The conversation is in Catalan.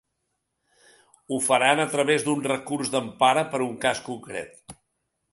Ho faran a través d’un recurs d’empara per un cas concret.